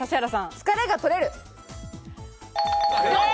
疲れが取れる。